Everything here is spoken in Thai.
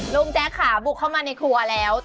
ลุงแจ็คขาบุกเข้ามาในครัวแล้ว